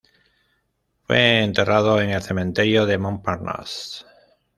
Fue enterrado en el Cementerio de Montparnasse.